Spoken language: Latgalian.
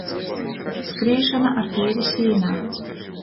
Skrīšona ar pīri sīnā.